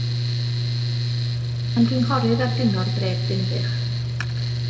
Mae'n gynghorydd ar Gyngor Dref Dinbych.